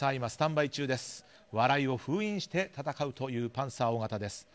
笑いを封印して戦うというパンサー尾形です。